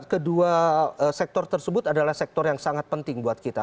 kedua sektor tersebut adalah sektor yang sangat penting buat kita